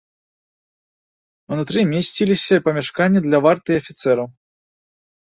Унутры месціліся памяшканні для варты і афіцэраў.